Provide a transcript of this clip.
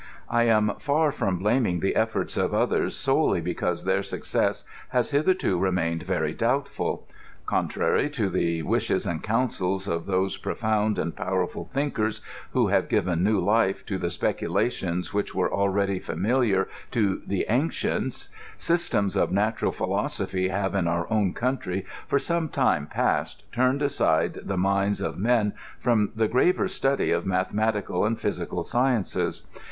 I am far from blaming the eflbrts of others solely because their success has hitherto remained very doubtful. Contrary to the wishes and counsels of those profound and powerful thinkers who 76 COSMOS. hard gi'^en new lifd to speculations which were already fa* miliar to the ancients, systems of natural philosophy have in oar own country for some time past turned aside the minds of men from the graver study of mathematical and physical sciences.